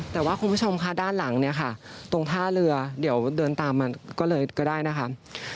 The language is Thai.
แต่ว่าคุณผู้ชมค่ะด้านหลังเนี่ยค่ะตรงท่าเรือเดี๋ยวเดินตามมาก็เลยก็ได้นะคะ